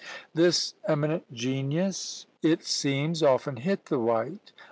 This eminent genius, it seems, often "hit the white."